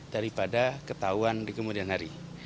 daripada ketahuan di kemudian hari